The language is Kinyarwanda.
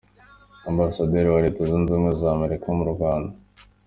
Ambasaderi wa Leta Zunze Ubumwe za Amerika mu Rwanda.